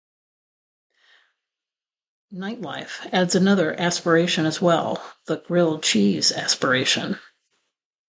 "Nightlife" adds another Aspiration as well: the Grilled Cheese Aspiration.